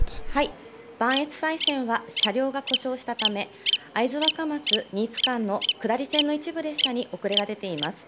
磐越西線は車両が故障したため、会津若松・新津間の下り線の一部列車に遅れが出ています。